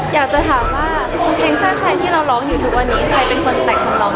อยากจะถามว่าเพลงชาติไทยที่เราร้องอยู่ทุกวันนี้ใครเป็นคนแต่งของเรา